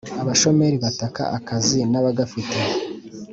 abashomeri bataka akazi nabagafite